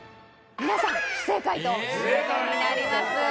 皆さん不正解という事になります。